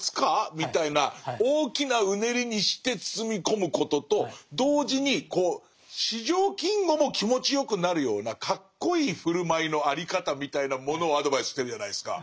みたいな大きなうねりにして包み込むことと同時に四条金吾も気持ちよくなるようなかっこいい振る舞いの在り方みたいなものをアドバイスしてるじゃないですか。